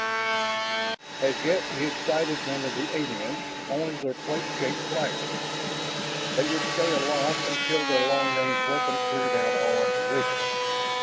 As yet he had sighted none of the aliens, only their plate shaped flyers. They would stay aloft until their long range weapon cleared out all opposition.